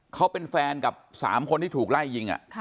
เขาเป็นแฟนกับ๓คนที่ถูกไล่ยิง